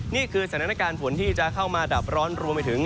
นี่คือสถานการณ์ฝนที่จะเข้ามาดับร้อนรวมไปถึง